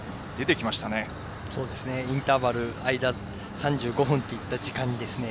インターバル３５分という時間ですね。